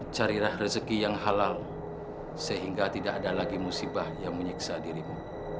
carilah rezeki yang halal sehingga tidak ada lagi musibah yang menyiksa dirimu